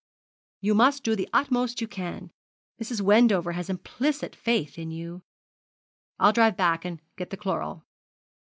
'You must do the utmost you can. Mrs. Wendover has implicit faith in you.' 'I'll drive back and get the chloral.'